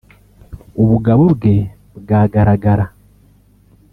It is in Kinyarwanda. ubugabo bwe bwagaragara